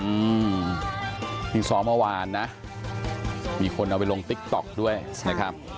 อืมที่ซ้อมเมื่อวานนะมีคนเอาไปลงติ๊กต๊อกด้วยนะครับ